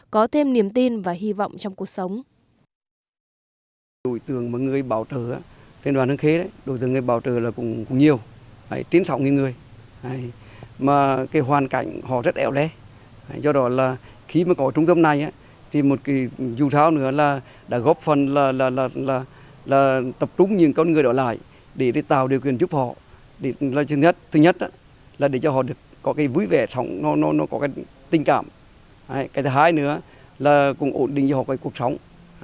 có thêm niềm tin và hy vọng trong cuộc sống